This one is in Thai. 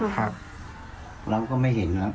ครับเราก็ไม่เห็นครับ